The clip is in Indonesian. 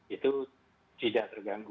itu tidak terganggu